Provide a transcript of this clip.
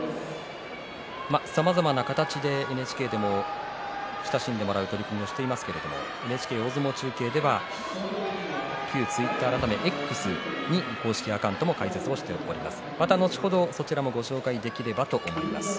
さまざまな形でＮＨＫでは親しんでもらえる取り組みをしていますがＮＨＫ大相撲中継では旧ツイッター改めＸで公式アカウントを開設しています。